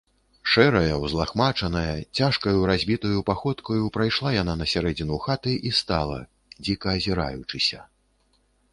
Шэрая, узлахмачаная, цяжкаю, разбітаю паходкаю прайшла яна на сярэдзіну хаты і стала, дзіка азіраючыся.